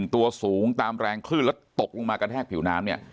ตัวสูงตามแรงคลื่นแล้วตกลงมากระแทกผิวน้ำเนี่ย